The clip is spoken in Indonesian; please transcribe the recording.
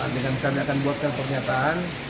dan kami akan buatkan pernyataan